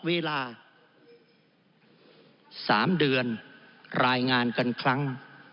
เวลา๓เดือนรายงานกันครั้ง